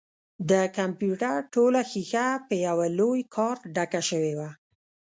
د کمپيوټر ټوله ښيښه په يوه لوى کارت ډکه سوې وه.